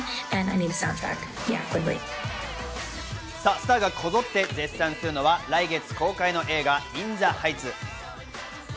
スターがこぞって絶賛するのは来月公開の映画『イン・ザ・ハイツ』。